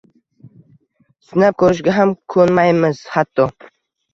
Sinab ko‘rishga ham ko‘nmaymiz, hatto.